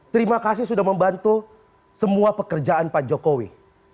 terima kasih sudah membantu semua pekerjaan pak jokowi